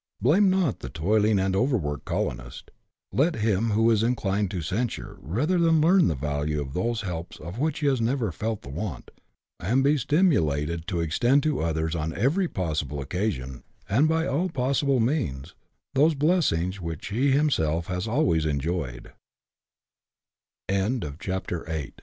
Blame not the toiling and overworked colonist. Let him who is inclined to censure, rather learn the value of those helps of which he has never felt the want ; and be stimulated to extend to others on every possible occasion, and by all possible means, those blessings whi